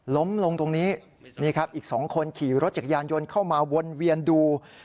ล้มลงตรงนี้นี่ครับอีก๒คนขี่รถจักรยานยนต์เข้ามาวนเวียนดู